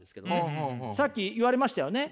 さっき言われましたよね？